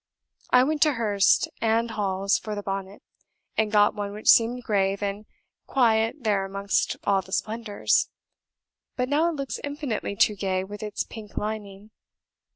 I went to Hurst and Hall's for the bonnet, and got one which seemed grave and quiet there amongst all the splendours; but now it looks infinitely too gay with its pink lining.